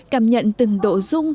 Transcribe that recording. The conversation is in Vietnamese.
cảm nhận từng độ rung